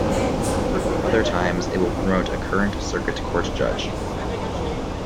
Other times it will promote a current Circuit Court Judge.